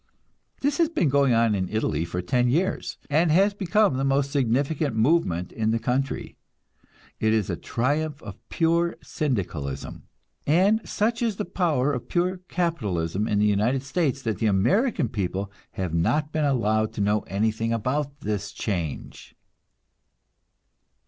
This has been going on in Italy for ten years, and has become the most significant movement in the country. It is a triumph of pure Syndicalism; and such is the power of pure capitalism in the United States that the American people have not been allowed to know anything about this change.